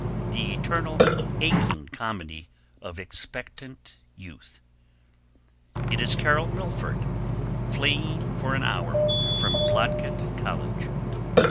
The eternal aching comedy of expectant youth. It is Carol Milford, fleeing for an hour from Blodgett College.